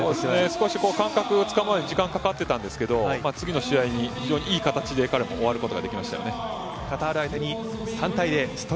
少し感覚をつかむまで時間かかってたんですけど次の試合に非常にいい形で彼も終わることができましたよね。